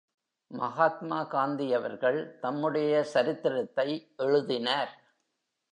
மகாத்மா காந்தி அவர்கள் தம்முடைய சரித்திரத்தை எழுதினார்.